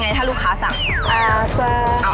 อันนี้คือไหนครับ